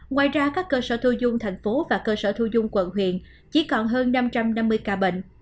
ngoài ra các cơ sở thu dung thành phố và cơ sở thu dung quận huyện chỉ còn hơn năm trăm năm mươi ca bệnh